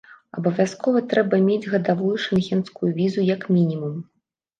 Абавязкова трэба мець гадавую шэнгенскую візу, як мінімум.